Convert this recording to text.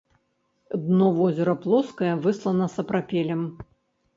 Дно возера плоскае, выслана сапрапелем.